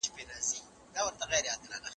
که جامې پاکې وي نو لمونځ نه مکروه کیږي.